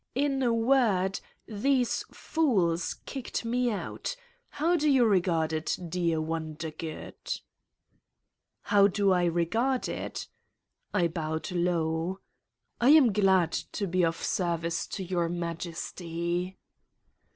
In a word, these fools kicked me out. How do you regard it, dear Wondergood?" "How do I regard it?" I bowed low: "I am glad to be of service to Your Majesty."